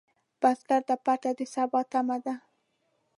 بزګر ته پټی د سبا تمه ده